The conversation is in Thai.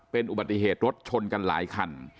เป็นอุบัติเหตุรถชนกันหลายคัน